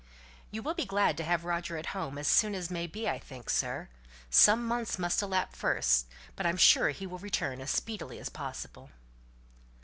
"You will be glad to have Roger at home as soon as may be, I think, sir. Some months must elapse first; but I'm sure he will return as speedily as possible."